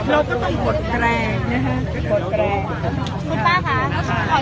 เราก็ต้องกดแกรงนะครับ